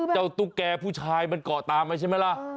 ตุ๊กแก่ผู้ชายมันเกาะตามไปใช่ไหมล่ะ